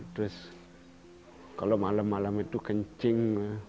terus kalau malam malam itu kencing